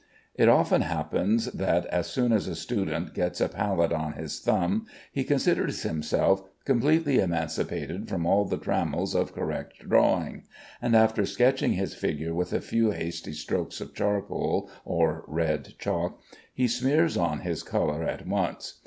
It often happens that as soon as a student gets a palette on his thumb, he considers himself completely emancipated from all the trammels of correct drawing, and after sketching his figure with a few hasty strokes of charcoal or red chalk, he smears on his color at once.